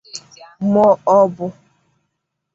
m’ọ bụ